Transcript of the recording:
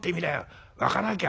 分からなきゃ